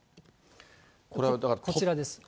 こちらです。